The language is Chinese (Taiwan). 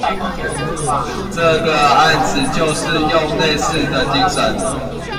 這個案子就是用類似的精神